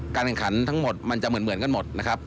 การแข่งขันทั้งหมดมันจะเหมือนเหมือนกันหมดนะครับ